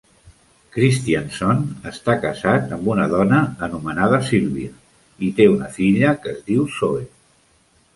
Christianson està casat amb una dona anomenada Sylvia i té una filla que es diu Zoe.